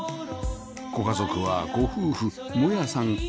ご家族はご夫婦萌弥さん